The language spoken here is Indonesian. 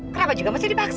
kenapa juga masih dibaksa